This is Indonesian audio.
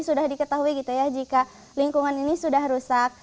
sudah diketahui gitu ya jika lingkungan ini sudah rusak